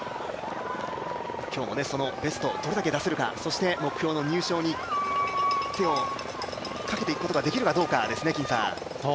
そのベストをどれだけ出せるか目標の入賞に手をかけていくことができるかどうかですね。